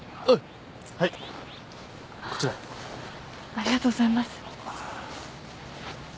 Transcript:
ありがとうございます。